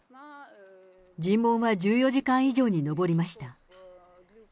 尋問は１４時間以上に上りました。